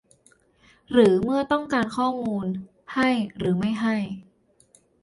หรือ เมื่อต้องการข้อมูล ให้หรือไม่ให้